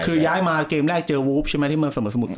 คือย้ายมาเกมแรกเจอวูฟใช่ไหมที่เมืองเสมอสมุทร